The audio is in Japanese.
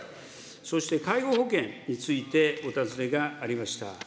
そして介護保険についてお尋ねがありました。